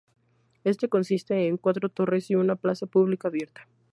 Este consiste en cuatro torres y una plaza pública abierta.